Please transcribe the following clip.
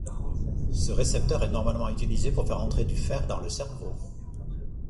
Ce récepteur est normalement utilisé pour faire entrer du fer dans le cerveau.